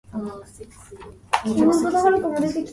She answered nothing, but sat weeping — weeping very much.